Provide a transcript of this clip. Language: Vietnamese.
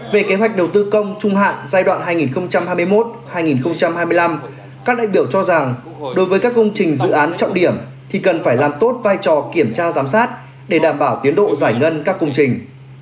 về kế hoạch đầu tư công trung hạn giai đoạn hai nghìn hai mươi một hai nghìn hai mươi năm các đại biểu cho rằng đối với các công trình dự án trọng điểm thì cần phải làm tốt vai trò kiểm tra giám sát để đảm bảo tiến độ giải ngân các công trình